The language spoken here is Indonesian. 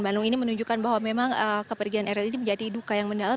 bandung ini menunjukkan bahwa memang kepergian eril ini menjadi duka yang mendalam